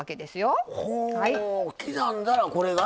刻んだらこれが。